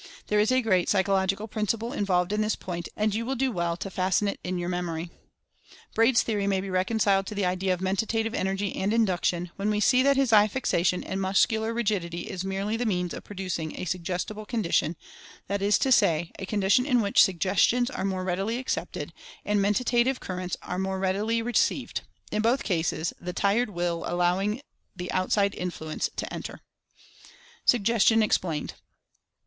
There is a great psychological principle in volved in this point, and you will do well to fasten it in your memory. Braid's theory may be reconciled to the idea of Mentative Energy and Induction, when we see that his eye fixation, and muscular rigidity is merely the means of producing a "suggestible condition," that is to say, a condition in which suggestions are more readily accepted, and mentative currents more readily received — in both cases the tired Will allowing the outside influence to enter. SUGGESTION EXPLAINED.